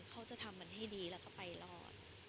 เขาจะทำมันให้ดีแล้วก็ไปรอด